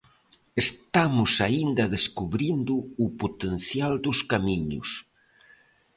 Estamos aínda descubrindo o potencial dos camiños.